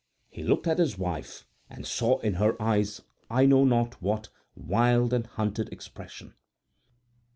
He looked at his wife and saw in her eyes I know not what wild and hunted expression.